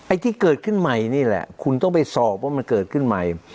ที่เกิดขึ้นใหม่นี่แหละคุณต้องไปสอบว่ามันเกิดขึ้นใหม่